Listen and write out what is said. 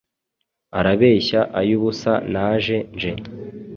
Arabeshya ay’ubusa naje nje!